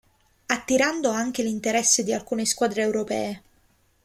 Attirando anche l'interesse di alcune squadre europee.